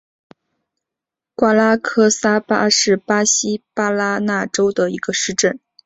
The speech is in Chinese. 瓜拉克萨巴是巴西巴拉那州的一个市镇。